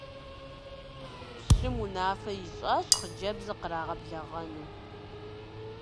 Пщым унафэ ищӀащ хъыджэбзыр кърагъэблэгъэну.